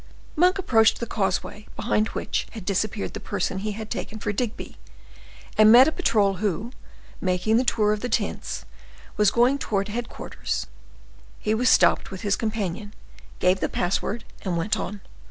Monk approached the causeway behind which had disappeared the person he had taken for Digby, and met a patrol who, making the tour of the tents, was going towards headquarters; he was stopped with his companion, gave the password, and went on.